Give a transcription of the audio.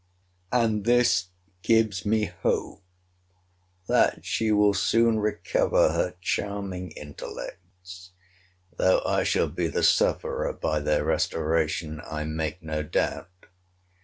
And this gives me hope, that she will soon recover her charming intellects—though I shall be the sufferer by their restoration, I make no doubt.